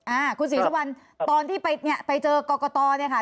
อะคุณศรีสุวรรณตอนที่ไปเจอก็ก็ตอนะครับ